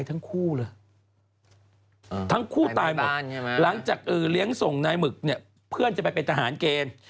ทั้งคู่เลยทั้งคู่ตายหมดหลังจากเลี้ยงส่งนายหมึกเนี่ยเพื่อนจะไปเป็นทหารเกณฑ์